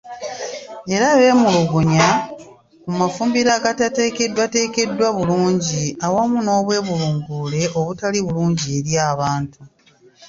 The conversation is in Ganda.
Era beemulugunya ku mafumbiro agatateekedwateekeddwa bulungi awamu n'obwebungulule obutali bulungi eri abantu.